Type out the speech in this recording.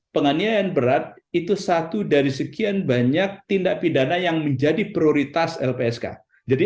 penganiayaan berat itu satu dari sekian banyak tindak pidana yang menjadi prioritas lpsk jadi